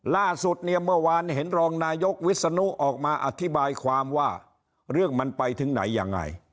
ล่าสุดเนี่ยเมื่อวานเห็นรองนายกวิศนุออกมาอธิบายความว่าเรื่องมันไปถึงไหนยังไง